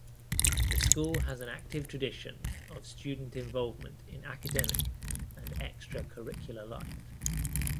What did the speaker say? The school has an active tradition of student involvement in academic and extracurricular life.